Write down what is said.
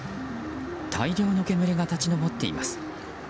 大量の煙が立ち上っています。